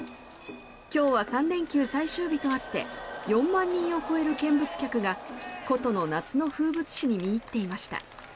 今日は３連休最終日とあって４万人を超える見物客が古都の夏の風物詩に見入っていました。